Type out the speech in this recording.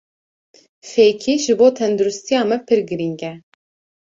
Fêkî ji bo tendirustiya me pir girîng e.